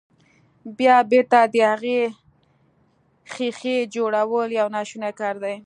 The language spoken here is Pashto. بيا بېرته د هغې ښيښې جوړول يو ناشونی کار دی.